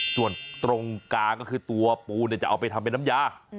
ส่วนตรงกลางก็คือตัวปูจะเอาไปทำเป็นน้ำยา